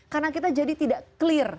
karena kita jadi tidak clear